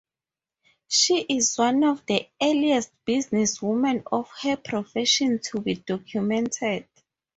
She is one of the earliest businesswomen of her profession to be documented.